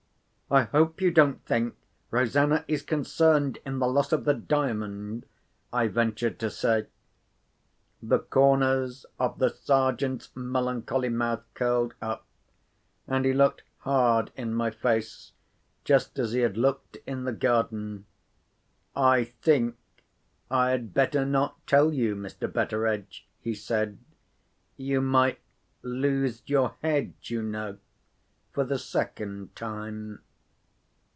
"I hope you don't think Rosanna is concerned in the loss of the Diamond?" I ventured to say. The corners of the Sergeant's melancholy mouth curled up, and he looked hard in my face, just as he had looked in the garden. "I think I had better not tell you, Mr. Betteredge," he said. "You might lose your head, you know, for the second time."